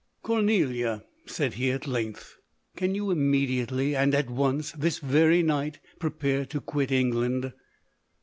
HO " Cornelia, 11 said he, at length, " can you immediately, and at once — this very night — pre pare to quit England